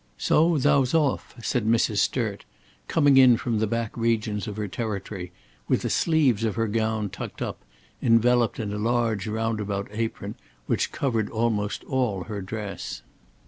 "So, thou's off," said Mrs. Sturt, coming in from the back regions of her territory, with the sleeves of her gown tucked up, enveloped in a large roundabout apron which covered almost all her dress.